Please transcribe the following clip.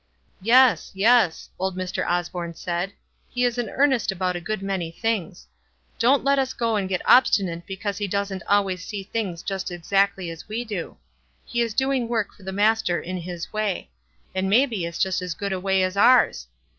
"Yes, yes," old Mr. Osborne said. "He is in earnest about a good many things. Don't lot us go and get obstinate because he doesn't id ways see things just exactly as we do. He is doing work for the Master in his way ; and may be it's just as good a way as ours.